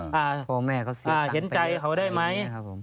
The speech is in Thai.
พ่อแม่เขาเสียตังไปเลย